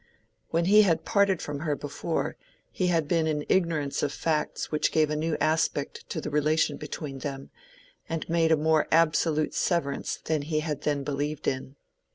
When he had parted from her before, he had been in ignorance of facts which gave a new aspect to the relation between them, and made a more absolute severance than he had then believed in.